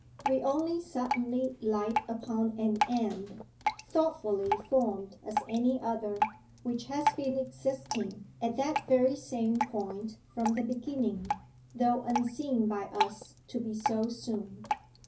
We only suddenly light upon an end thoughtfully formed as any other which has been existing at that very same point from the beginning, though unseen by us to be so soon.